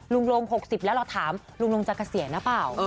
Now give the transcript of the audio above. ลง๖๐แล้วเราถามลุงลงจะเกษียณหรือเปล่า